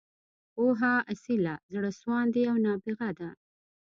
پوهه، اصیله، زړه سواندې او نابغه ده.